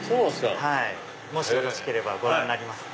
もしよろしければご覧になりますか？